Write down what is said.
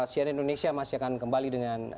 sian indonesia masih akan kembali dengan